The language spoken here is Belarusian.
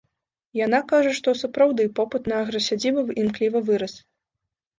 Яна кажа, што, сапраўды, попыт на аграсядзібы імкліва вырас.